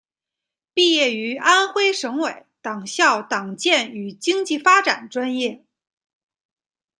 毕业于安徽省委党校党建与经济发展专业。